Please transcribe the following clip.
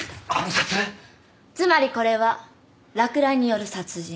つまりこれは落雷による殺人。